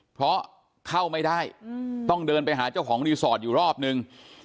เพราะเข้าไม่ได้ต้องเดินไปหาเจ้าของรีสอร์ทอยู่รอบนึง